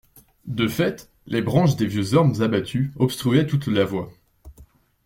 De fait, les branches des vieux ormes abattus obstruaient toute la voie.